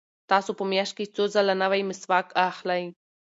تاسو په میاشت کې څو ځله نوی مسواک اخلئ؟